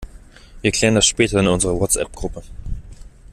Wir klären das später in unserer WhatsApp-Gruppe.